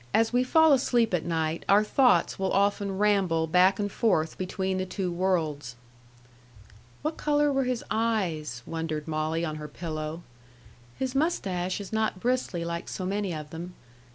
As we fall asleep at night, our thoughts will often ramble back and forth between the two worlds. "What color were his eyes?" wondered Molly on her pillow. "His mustache is not bristly like so many of them.